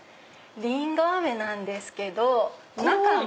リンゴ飴なんですけど中も。